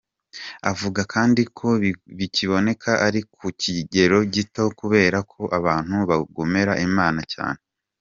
Avuga kandi ko bikiboneka ariko ku kigero gito kubera ko abantu bagomera Imana cyane.